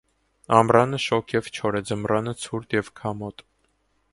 Ամռանը շոգ և չոր է, ձմռանը ցուրտ և քամոտ։